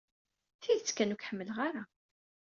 Tidet kan, ur k-ḥemmleɣ ara.